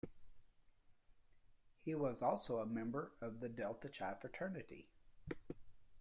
He was also a member of the Delta Chi Fraternity.